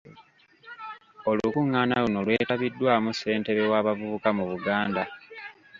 Olukungaana luno lwetabiddwamu Ssentebe w'abavubuka mu Buganda.